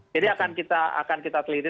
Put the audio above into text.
jadi akan kita selidiki